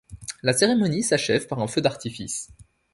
La cérémonie, s’achève par un feu d’artifice.